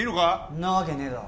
んなわけねえだろ